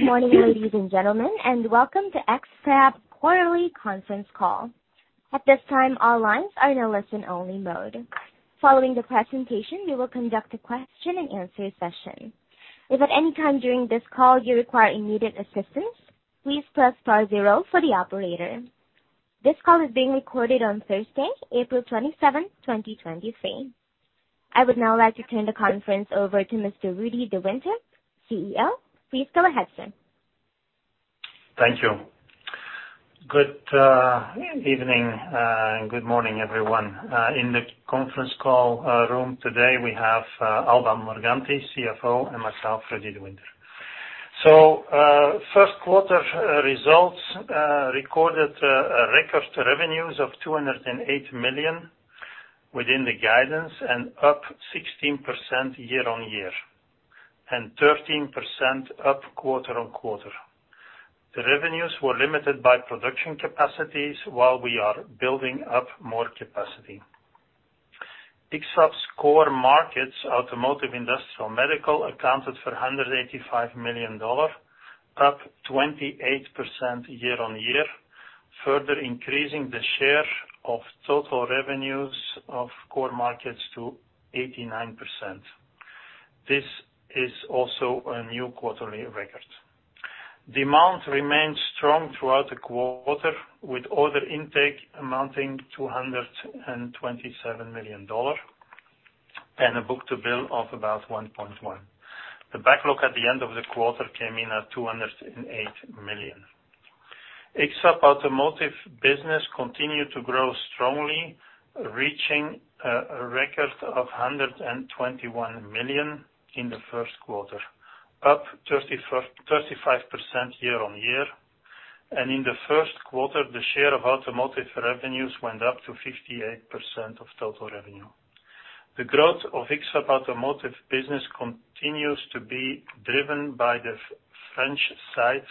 Good morning, ladies and gentlemen, and welcome to X-FAB quarterly conference call. At this time, all lines are in a listen-only mode. Following the presentation, we will conduct a question-and-answer session. If at any time during this call you require immediate assistance, please press star zero for the operator. This call is being recorded on Thursday, April 27th, 2023. I would now like to turn the conference over to Mr. Rudi De Winter, CEO. Please go ahead, sir. Thank you. Good evening and good morning, everyone. In the conference call room today, we have Alba Morganti, CFO, and myself, Rudi De Winter. First quarter results recorded a record revenues of $208 million within the guidance and up 16% year-on-year and 13% up quarter-on-quarter. The revenues were limited by production capacities while we are building up more capacity. X-FAB's core markets, automotive, industrial, medical, accounted for $185 million, up 28% year-on-year, further increasing the share of total revenues of core markets to 89%. This is also a new quarterly record. Demand remained strong throughout the quarter, with order intake amounting to $127 million and a book-to-bill of about 1.1. The backlog at the end of the quarter came in at $208 million. X-FAB automotive business continued to grow strongly, reaching a record of $121 million in the first quarter, up 35% year-on-year. In the first quarter, the share of automotive revenues went up to 58% of total revenue. The growth of X-FAB automotive business continues to be driven by the French site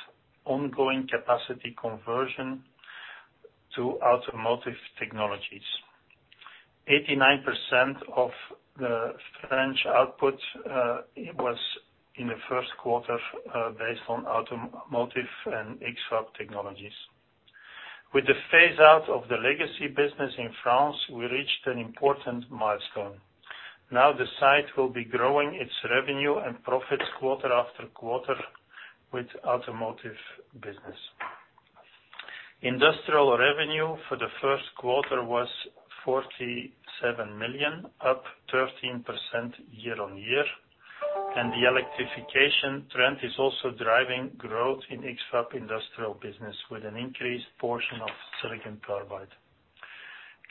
ongoing capacity conversion to automotive technologies. 89% of the French output was in the first quarter based on automotive and X-FAB technologies. With the phase out of the legacy business in France, we reached an important milestone. Now the site will be growing its revenue and profits quarter after quarter with automotive business. Industrial revenue for the first quarter was $47 million, up 13% year-on-year, and the electrification trend is also driving growth in X-FAB industrial business with an increased portion of silicon carbide.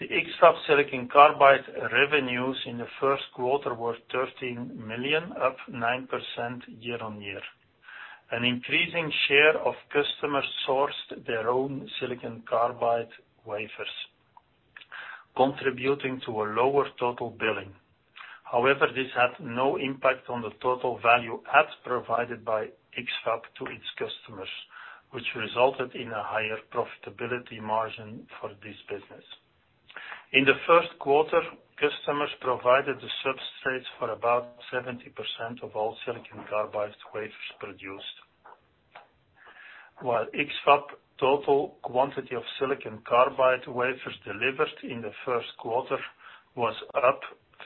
The X-FAB silicon carbide revenues in the first quarter were $13 million, up 9% year-on-year. An increasing share of customers sourced their own silicon carbide wafers, contributing to a lower total billing. However, this had no impact on the total value add provided by X-FAB to its customers, which resulted in a higher profitability margin for this business. In the first quarter, customers provided the substrates for about 70% of all silicon carbide wafers produced. While X-FAB total quantity of silicon carbide wafers delivered in the first quarter was up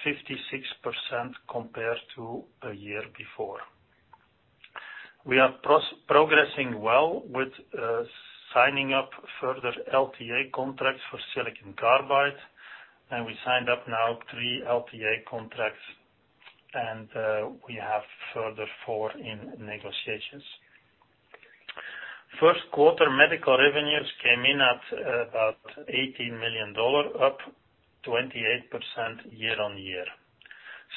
56% compared to a year before. We are progressing well with signing up further LTA contracts for silicon carbide. We signed up now 3 LTA contracts, and we have further four in negotiations. First quarter medical revenues came in at about $18 million, up 28% year-over-year.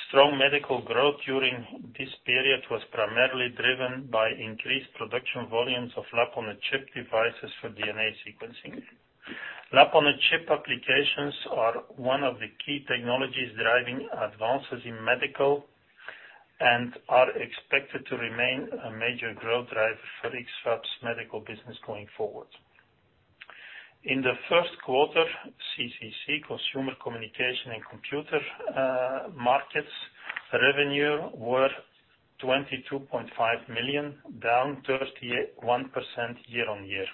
Strong medical growth during this period was primarily driven by increased production volumes of lab-on-a-chip devices for DNA sequencing. Lab-on-a-chip applications are one of the key technologies driving advances in medical and are expected to remain a major growth driver for X-FAB's medical business going forward. In the first quarter, CCC, Consumer Communication and Computer, markets revenue were $22.5 million, down 31% year-over-year.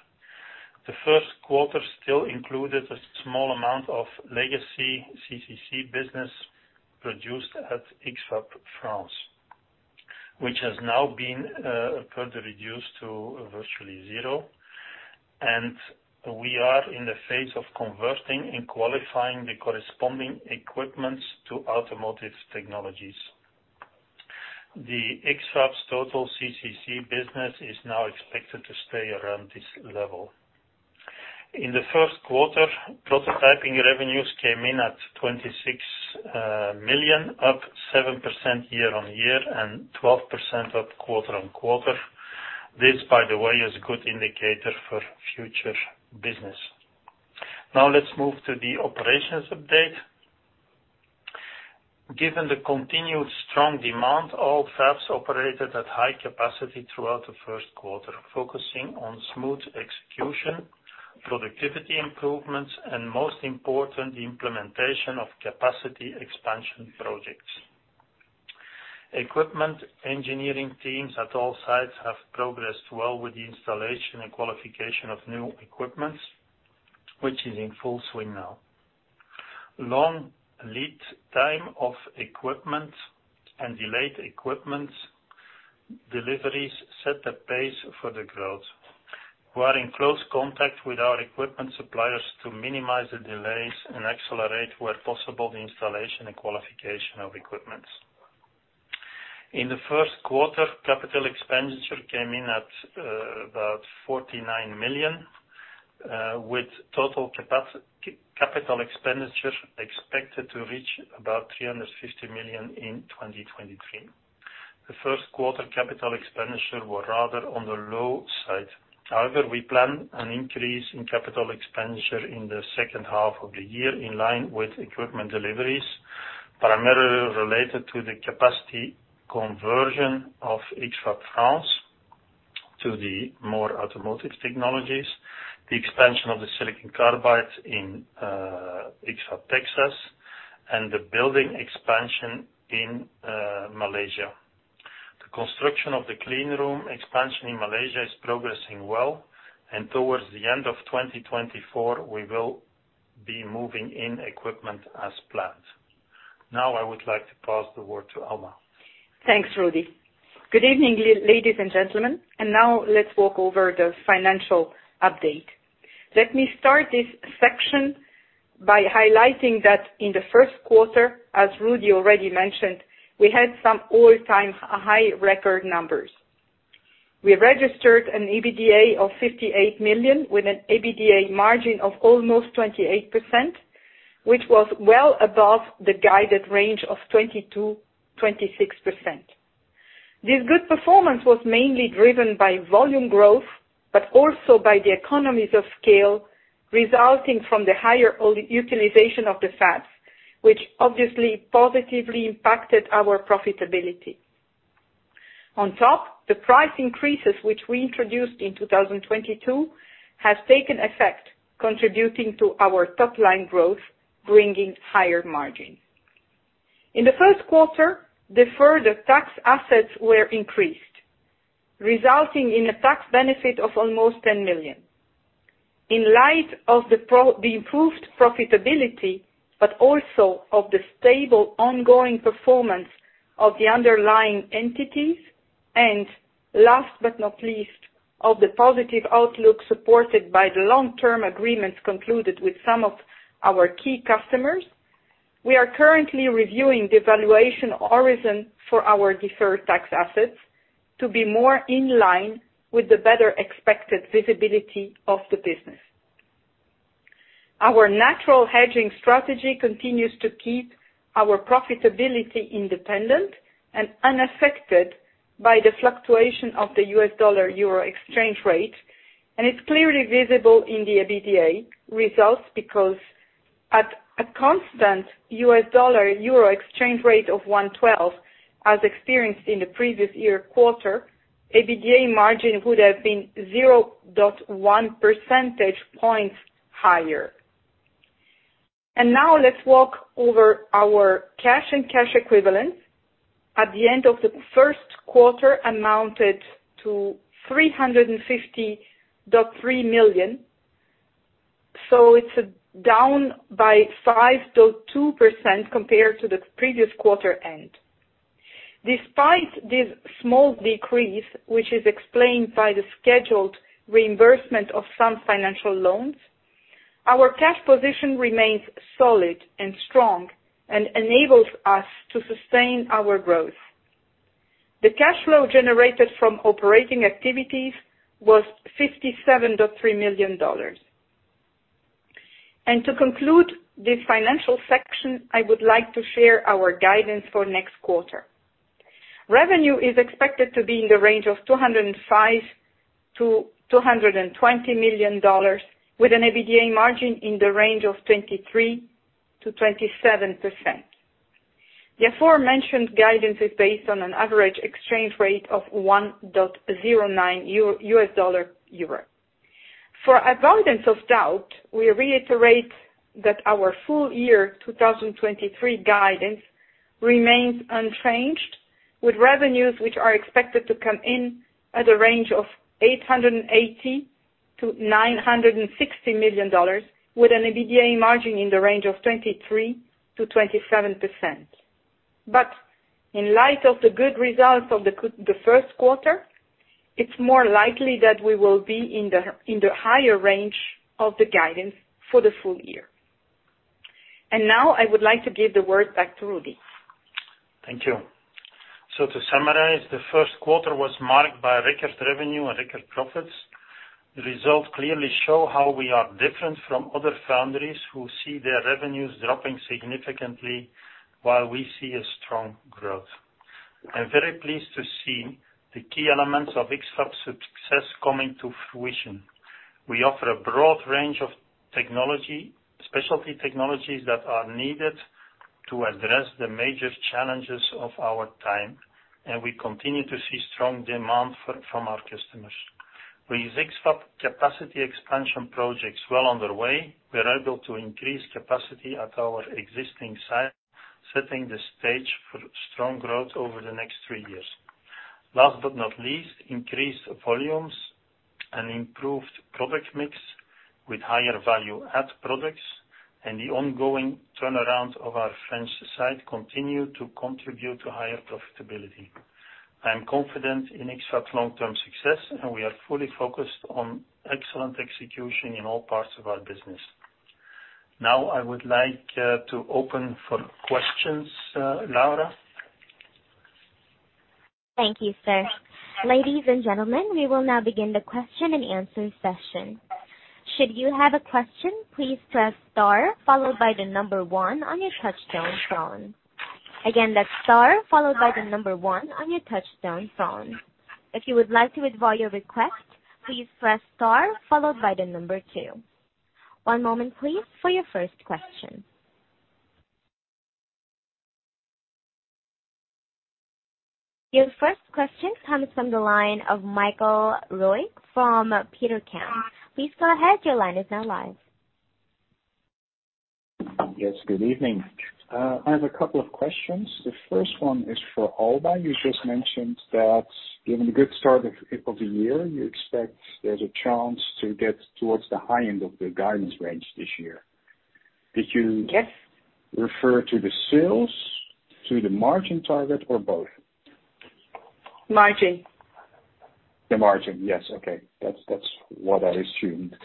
The first quarter still included a small amount of legacy CCC business produced at X-FAB France. Which has now been further reduced to virtually zero, and we are in the phase of converting and qualifying the corresponding equipments to automotive technologies. The X-FAB's total CCC business is now expected to stay around this level. In the first quarter, prototyping revenues came in at 26 million, up 7% year-on-year and 12% up quarter-on-quarter. This, by the way, is a good indicator for future business. Let's move to the operations update. Given the continued strong demand, all fabs operated at high capacity throughout the first quarter, focusing on smooth execution, productivity improvements and most important, the implementation of capacity expansion projects. Equipment engineering teams at all sites have progressed well with the installation and qualification of new equipments, which is in full swing now. Long lead time of equipment and delayed equipment deliveries set the pace for the growth. We are in close contact with our equipment suppliers to minimize the delays and accelerate, where possible, the installation and qualification of equipments. In the first quarter, CapEx came in at about $49 million, with total CapEx expected to reach about $350 million in 2023. The first quarter CapEx were rather on the low side. We plan an increase in CapEx in the second half of the year in line with equipment deliveries, primarily related to the capacity conversion of X-FAB France to the more automotive technologies, the expansion of the silicon carbide in X-FAB Texas, and the building expansion in Malaysia. The construction of the clean room expansion in Malaysia is progressing well, and towards the end of 2024, we will be moving in equipment as planned. I would like to pass the word to Alba. Thanks, Rudi. Good evening, ladies and gentlemen. Now let's walk over the financial update. Let me start this section by highlighting that in the first quarter, as Rudi already mentioned, we had some all-time high record numbers. We registered an EBITDA of 58 million with an EBITDA margin of almost 28%, which was well above the guided range of 22%-26%. This good performance was mainly driven by volume growth, but also by the economies of scale resulting from the higher old utilization of the fabs, which obviously positively impacted our profitability. On top, the price increases which we introduced in 2022 has taken effect, contributing to our top line growth, bringing higher margins. In the first quarter, deferred tax assets were increased, resulting in a tax benefit of almost 10 million. In light of the improved profitability, also of the stable ongoing performance of the underlying entities, last but not least, of the positive outlook supported by the long-term agreements concluded with some of our key customers, we are currently reviewing the valuation horizon for our deferred tax assets to be more in line with the better expected visibility of the business. Our natural hedging strategy continues to keep our profitability independent and unaffected by the fluctuation of the U.S. dollar/euro exchange rate. It's clearly visible in the EBITDA results because at a constant U.S. dollar/euro exchange rate of 1.12, as experienced in the previous year quarter, EBITDA margin would have been 0.1 percentage points higher. Now let's walk over our cash and cash equivalents. At the end of the first quarter amounted to 350.3 million. It's down by 5.2% compared to the previous quarter end. Despite this small decrease, which is explained by the scheduled reimbursement of some financial loans, our cash position remains solid and strong and enables us to sustain our growth. The cash flow generated from operating activities was $57.3 million. To conclude this financial section, I would like to share our guidance for next quarter. Revenue is expected to be in the range of $205 million-$220 million with an EBITDA margin in the range of 23%-27%. The aforementioned guidance is based on an average exchange rate of 1.09 U.S. dollar/euro. For avoidance of doubt, we reiterate that our full year 2023 guidance remains unchanged, with revenues which are expected to come in at a range of $880 million-$960 million, with an EBITDA margin in the range of 23%-27%. In light of the good results of the first quarter, it's more likely that we will be in the higher range of the guidance for the full year. Now I would like to give the word back to Rudi. Thank you. To summarize, the first quarter was marked by record revenue and record profits. The results clearly show how we are different from other foundries who see their revenues dropping significantly while we see a strong growth. I'm very pleased to see the key elements of X-FAB's success coming to fruition. We offer a broad range of technology, specialty technologies that are needed to address the major challenges of our time, and we continue to see strong demand from our customers. With X-FAB capacity expansion projects well underway, we're able to increase capacity at our existing site, setting the stage for strong growth over the next three years. Last but not least, increased volumes and improved product mix with higher value add products and the ongoing turnaround of our French site continue to contribute to higher profitability. I am confident in X-FAB long-term success, and we are fully focused on excellent execution in all parts of our business. I would like to open for questions, Laura. Thank you, sir. Ladies and gentlemen, we will now begin the question and answer session. Should you have a question, please press star followed by one on your touchtone phone. Again, that's star followed by one on your touchtone phone. If you would like to withdraw your request, please press star followed by two. One moment please for your first question. Your first question comes from the line of Michael Roeg from Degroof Petercam. Please go ahead. Your line is now live. Yes, good evening. I have a couple of questions. The first one is for Alba. You just mentioned that given a good start of the year, you expect there's a chance to get towards the high end of the guidance range this year. Yes. Refer to the sales, to the margin target or both? Margin. The margin. Yes. Okay. That's what I assumed.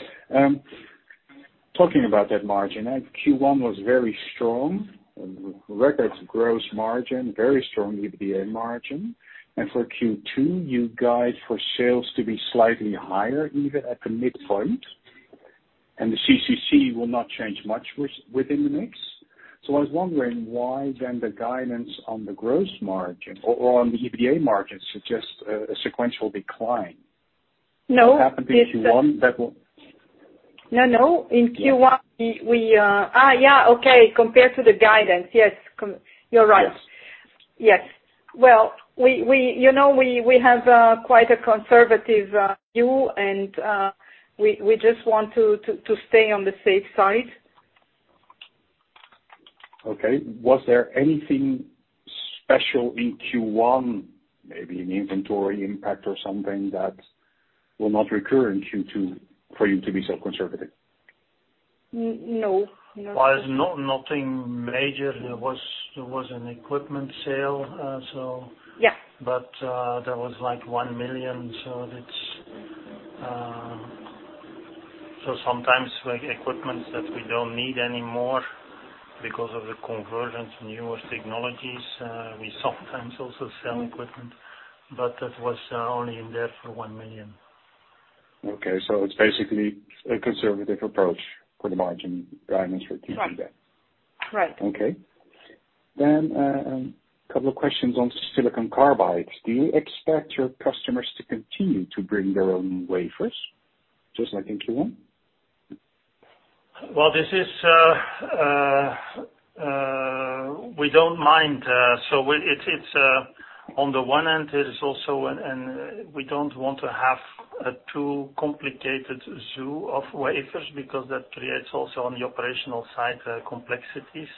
Talking about that margin, Q1 was very strong, record gross margin, very strong EBITDA margin. For Q2, you guide for sales to be slightly higher even at the midpoint, and the CCC will not change much within the mix. I was wondering why then the guidance on the gross margin or on the EBITDA margin suggest a sequential decline. No. What happened in Q1 that will... No, no. In Q1- Yeah. We, yeah. Okay. Compared to the guidance. Yes. You're right. Yes. Yes. Well, we, you know, we have quite a conservative view, and we just want to stay on the safe side. Okay. Was there anything special in Q1, maybe an inventory impact or something that will not recur in Q2 for you to be so conservative? No. No. Well, it's nothing major. There was an equipment sale. Yeah. That was like $1 million. Sometimes like equipment that we don't need anymore because of the conversion to newer technologies, we sometimes also sell equipment, but that was only in there for $1 million. Okay. It's basically a conservative approach for the margin guidance for Q2 then. Right. Right. Okay. couple of questions on silicon carbide. Do you expect your customers to continue to bring their own wafers just like in Q1? Well, this is, we don't mind. It's on the one end it is also. We don't want to have a too complicated zoo of wafers because that creates also on the operational side, complexities.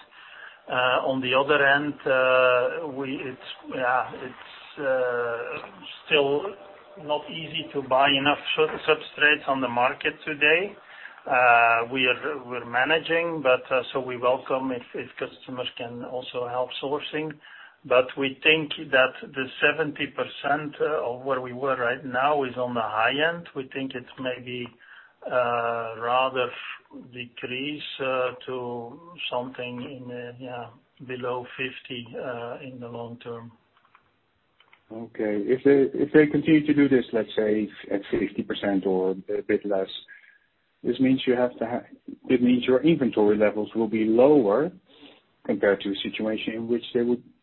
On the other end, it's still not easy to buy enough sub-substrates on the market today. We are, we're managing, but we welcome if customers can also help sourcing. We think that the 70% of where we were right now is on the high end. We think it's maybe rather decrease to something in the, yeah, below 50 in the long term. Okay. If they continue to do this, let's say at 60% or a bit less, It means your inventory levels will be lower compared to a situation in which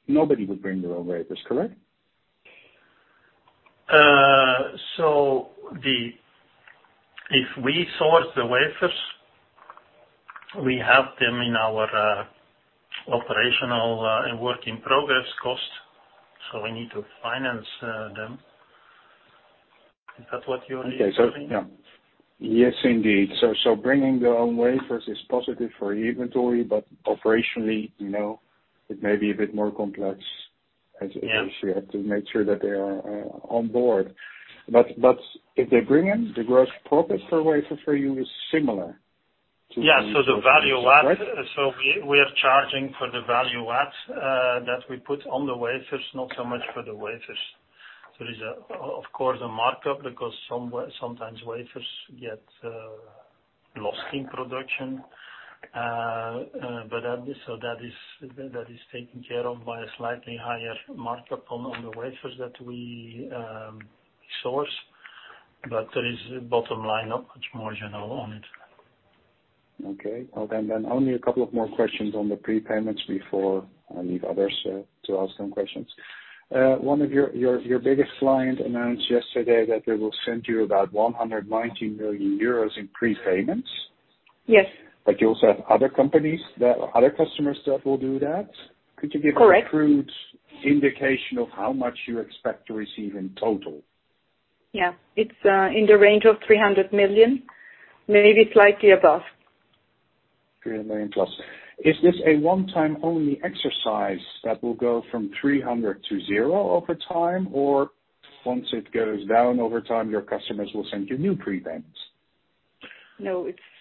nobody would bring their own wafers. Correct? If we source the wafers, we have them in our operational working progress cost, so we need to finance them. Is that what you are referring? Okay. Yeah. Yes, indeed. Bringing their own wafers is positive for inventory, but operationally, you know, it may be a bit more complex as. Yeah. As you have to make sure that they are on board. If they bring in the gross profit for wafers for you is similar to- Yeah. The value add Right. We are charging for the value add that we put on the wafers, not so much for the wafers. There's a, of course, a markup because sometimes wafers get lost in production. That is taken care of by a slightly higher markup on the wafers that we source. There is bottom line not much margin at all on it. Then only a couple of more questions on the prepayments before I leave others to ask some questions. One of your biggest client announced yesterday that they will send you about 190 million euros in prepayments. Yes. Other customers that will do that. Correct. Could you give a crude indication of how much you expect to receive in total? Yeah. It's in the range of 300 million, maybe slightly above. 300 million plus. Is this a one-time only exercise that will go from 300 to 0 over time? Once it goes down over time, your customers will send you new prepayments? No, it's-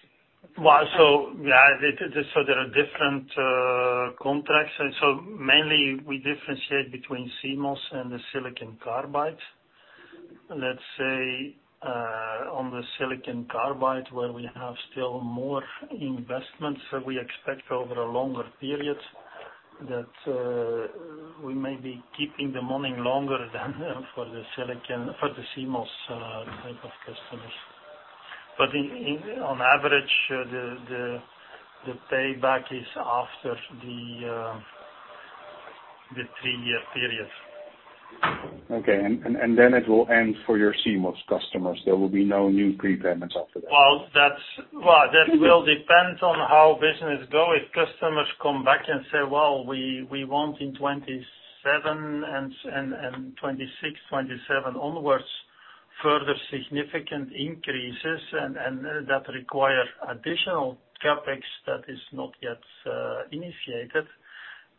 Well, yeah. There are different contracts. Mainly we differentiate between CMOS and the silicon carbide. Let's say, on the silicon carbide, where we have still more investments that we expect over a longer period, that we may be keeping the money longer than for the CMOS type of customers. On average, the payback is after the three-year period. Okay. it will end for your CMOS customers. There will be no new prepayments after that. Well, that will depend on how business go. If customers come back and say, "Well, we want in 27 and 26, 27 onwards, further significant increases, and that require additional CapEx that is not yet initiated,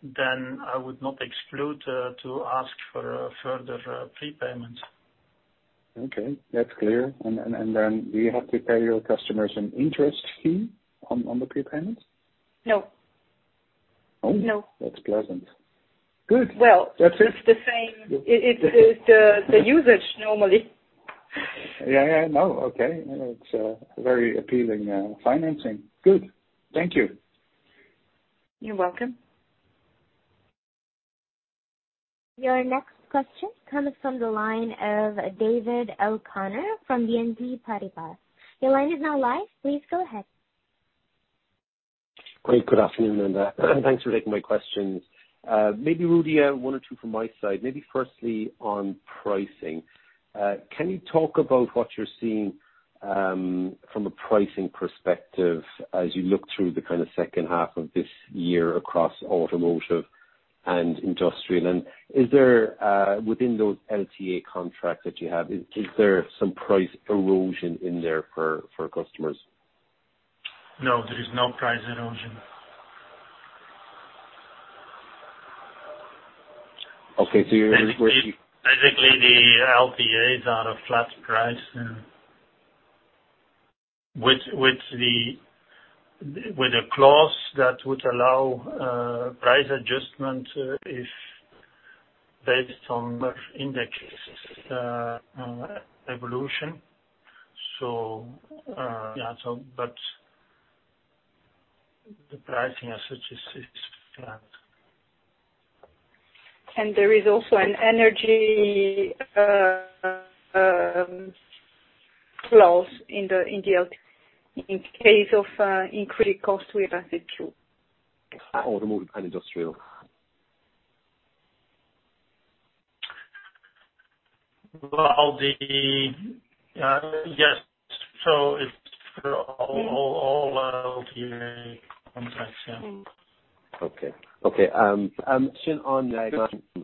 then I would not exclude to ask for further prepayments. Okay, that's clear. Then do you have to pay your customers an interest fee on the prepayments? No. Oh. No. That's pleasant. Good. Well- That's it. it's the same. It, it's the usage normally. Yeah, yeah, no. Okay. It's very appealing financing. Good. Thank you. You're welcome. Your next question comes from the line of David O'Connor from BNP Paribas. Your line is now live. Please go ahead. Great. Good afternoon, Linda. Thanks for taking my questions. Maybe, Rudi, one or two from my side. Maybe firstly on pricing. Can you talk about what you're seeing from a pricing perspective as you look through the kinda second half of this year across automotive and industrial? Is there within those LTA contracts that you have, is there some price erosion in there for customers? No, there is no price erosion. Okay. Basically the LTAs are a flat price, yeah. Which the With a clause that would allow price adjustment if based on index evolution. Yeah. The pricing as such is flat. There is also an energy clause in the LT in case of increased costs. Automotive and industrial. Well, the yes. It's for all LTA contracts, yeah. Mm-hmm. Okay. Since online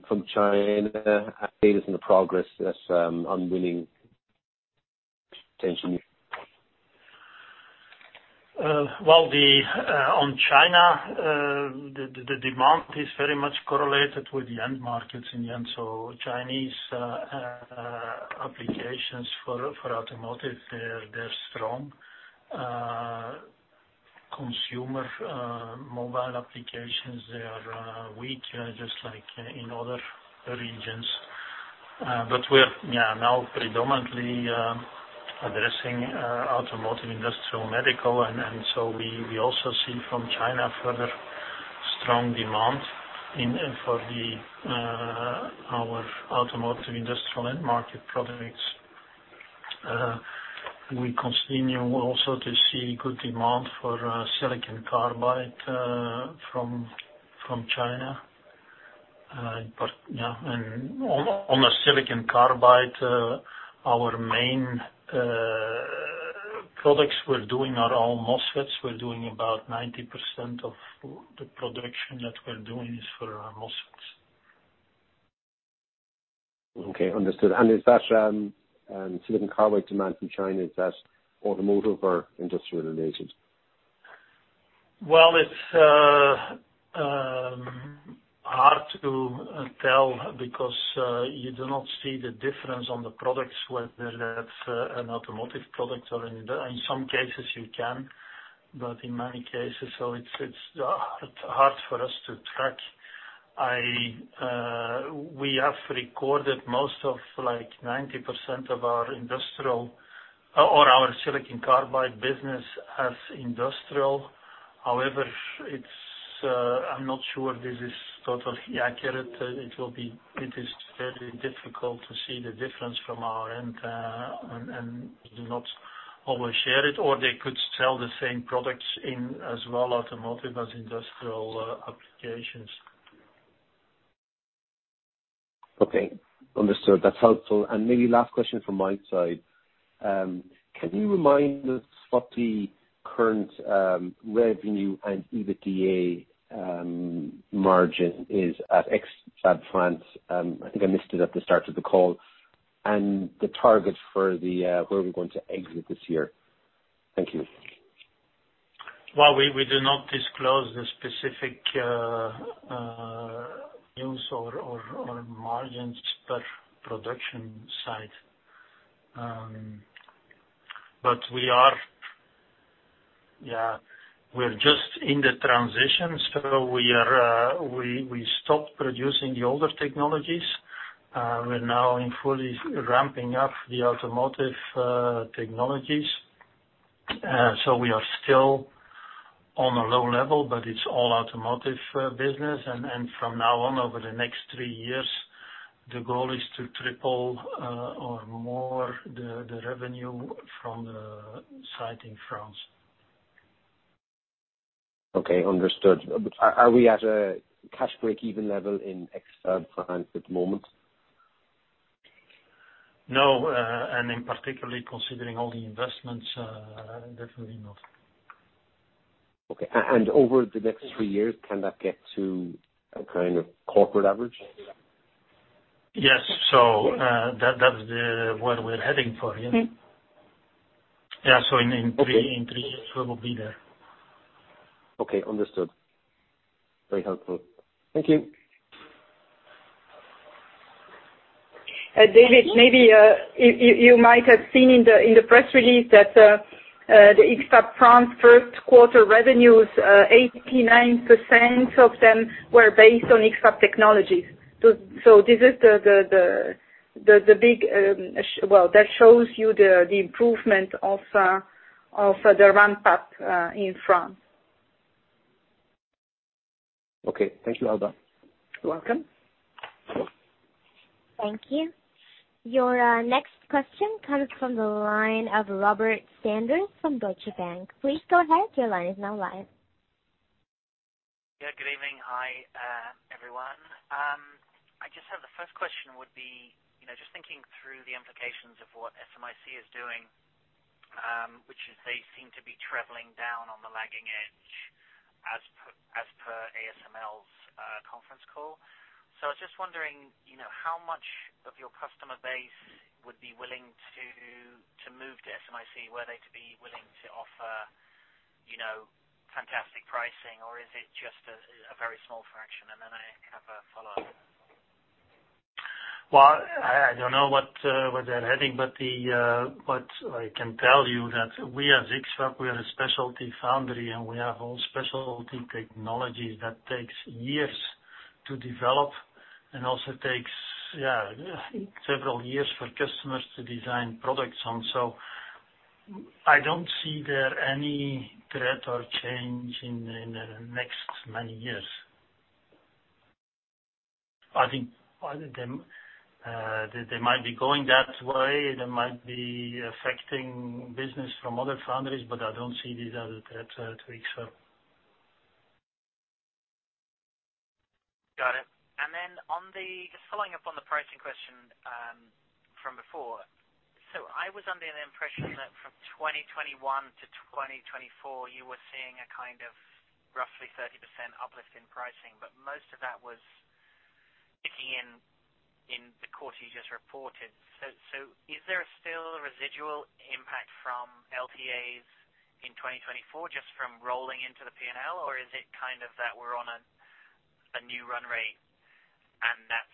from China, status and the progress that's on winning potentially. Well, on China, the demand is very much correlated with the end markets in the end. Chinese applications for automotive, they're strong. Consumer mobile applications, they are weak, just like in other regions. We're, yeah, now predominantly addressing automotive, industrial, medical. We also see from China further strong demand for the our automotive, industrial end market products. We continue also to see good demand for silicon carbide from China. Yeah. On a silicon carbide, our main products we're doing are all MOSFETs. We're doing about 90% of the production that we're doing is for MOSFETs. Okay. Understood. Is that silicon carbide demand from China, is that automotive or industrial related? It's hard to tell because you do not see the difference on the products whether that's an automotive product or in some cases you can, but in many cases, so it's hard for us to track. We have recorded most of like 90% of our industrial or our silicon carbide business as industrial. It's I'm not sure this is totally accurate. It is very difficult to see the difference from our end, and we do not. We'll share it, or they could sell the same products in as well automotive as industrial applications. Okay. Understood. That's helpful. Maybe last question from my side. Can you remind us what the current revenue and EBITDA margin is at X-FAB France and the target for where we're going to exit this year? I think I missed it at the start of the call. Thank you. Well, we do not disclose the specific use or margins per production site. We are just in the transition, so we stopped producing the older technologies. We're now in fully ramping up the automotive technologies. We are still on a low level, but it's all automotive business. From now on, over the next three years, the goal is to triple or more the revenue from the site in France. Okay. Understood. Are we at a cash break-even level in X-FAB France at the moment? No, in particularly considering all the investments, definitely not. Okay. Over the next three years, can that get to a kind of corporate average? Yes. That's the where we're heading for. Yeah. Mm-hmm. Yeah. In three- Okay. In three years we will be there. Okay. Understood. Very helpful. Thank you. David, maybe you might have seen in the press release that the X-FAB France first quarter revenues, 89% of them were based on X-FAB technologies. This is the big, well, that shows you the improvement of the ramp up in France. Okay. Thank you, Alba. You're welcome. Thank you. Your next question comes from the line of Robert Sanders from Deutsche Bank. Please go ahead. Your line is now live. Yeah. Good evening. Hi, everyone. I just have the first question would be, you know, just thinking through the implications of what SMIC is doing, which is they seem to be traveling down on the lagging edge as per ASML's conference call. I was just wondering, you know, how much of your customer base would be willing to move to SMIC were they to be willing to offer, you know, fantastic pricing, or is it just a very small fraction? I have a follow-up. Well, I don't know what where they're heading, but what I can tell you that we as X-FAB, we are a specialty foundry, and we have all specialty technologies that takes years to develop and also takes, yeah, several years for customers to design products on. I don't see there any threat or change in the, in the next many years. I think they might be going that way. They might be affecting business from other foundries, but I don't see this as a threat to X-FAB. Got it. Then on the... Just following up on the pricing question from before. I was under the impression that from 2021 to 2024 you were seeing a kind of roughly 30% uplift in pricing, but most of that was hitting in the quarter you just reported. Is there still a residual impact from LTAs in 2024 just from rolling into the P&L, or is it kind of that we're on a new run rate and that's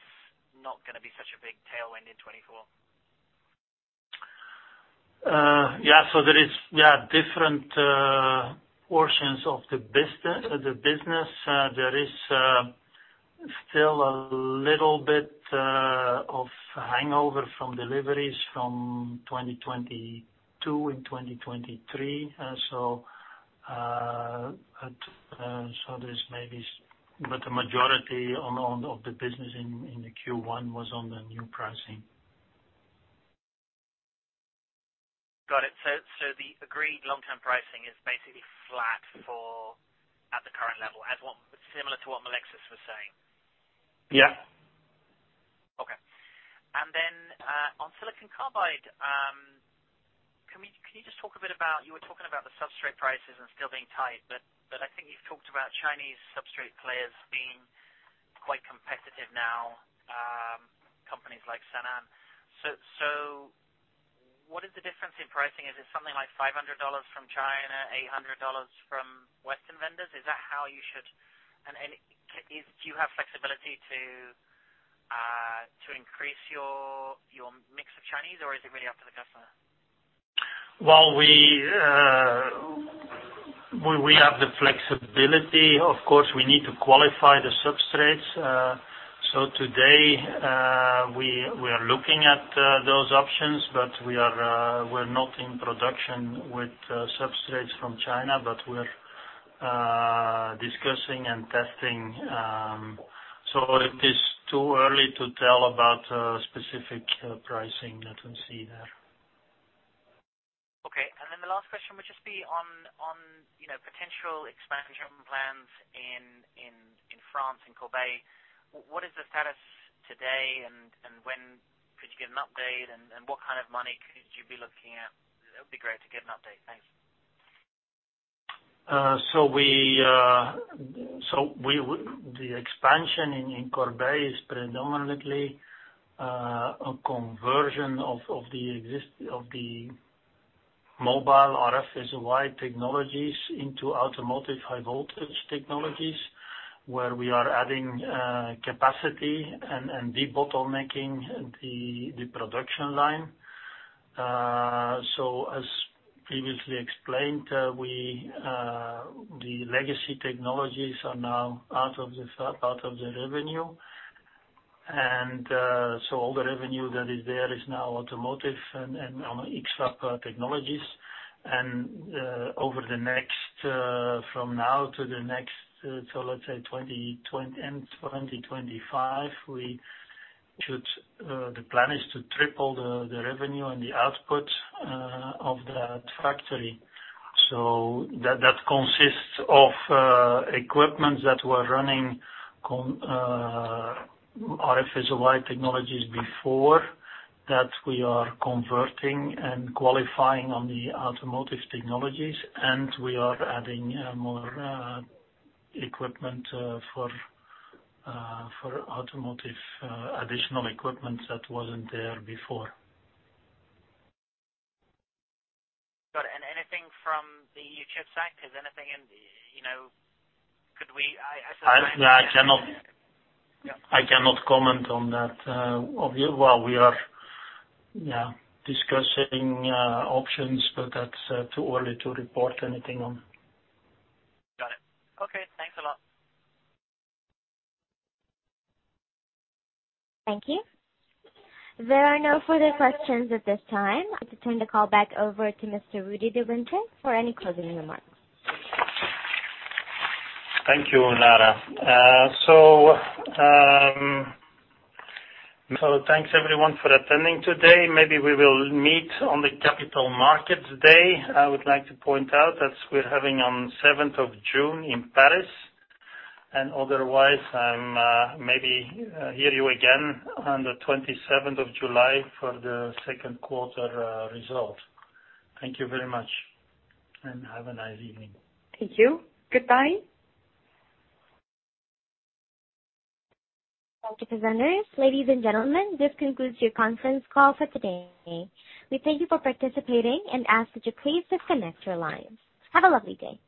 not gonna be such a big tailwind in 2024? Yeah. There is, yeah, different portions of the business. There is still a little bit of hangover from deliveries from 2022 and 2023. There's maybe. The majority of the business in the Q1 was on the new pricing. Got it. The agreed long-term pricing is basically flat for at the current level. Similar to what Melexis was saying? Yeah. Okay. On silicon carbide, can you just talk a bit about, you were talking about the substrate prices and still being tight, but I think you've talked about Chinese substrate players being quite competitive now, companies like Sanan. What is the difference in pricing? Is it something like $500 from China, $800 from Western vendors? Is that how you should... Do you have flexibility to increase your mix of Chinese, or is it really up to the customer? Well, we have the flexibility. Of course, we need to qualify the substrates. Today, we are looking at those options, but we are we're not in production with substrates from China, but we're Discussing and testing. It is too early to tell about specific pricing that we see there. Okay. The last question would just be on, you know, potential expansion plans in France, in Corbeil. What is the status today and when could you give an update and what kind of money could you be looking at? That would be great to get an update. Thanks. The expansion in Corbeil is predominantly a conversion of the mobile RF SOI technologies into automotive high-voltage technologies, where we are adding capacity and debottlenecking the production line. As previously explained, we the legacy technologies are now out of the revenue. All the revenue that is there is now automotive and on X-FAB technologies. Over the next from now to the next let's say end 2025, we should the plan is to triple the revenue and the output of that factory. That consists of equipment that were running RF SOI technologies before, that we are converting and qualifying on the automotive technologies, and we are adding more equipment for automotive additional equipment that wasn't there before. Got it. Anything from the chip side? Is anything in, you know, could we... I cannot- Yeah. I cannot comment on that. Well, we are, yeah, discussing options, but that's too early to report anything on. Got it. Okay. Thanks a lot. Thank you. There are no further questions at this time. I'd like to turn the call back over to Mr. Rudi De Winter for any closing remarks. Thank you, Laura. Thanks everyone for attending today. Maybe we will meet on the Capital Markets Day. I would like to point out that we're having on 7th of June in Paris. Otherwise, maybe hear you again on the 27th of July for the second quarter result. Thank you very much and have a nice evening. Thank you. Goodbye. Thank you, presenters. Ladies and gentlemen, this concludes your conference call for today. We thank you for participating and ask that you please disconnect your lines. Have a lovely day.